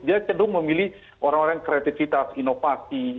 dia cenderung memilih orang orang kreativitas inovasi